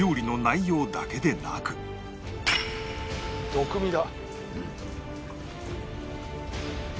毒味だ。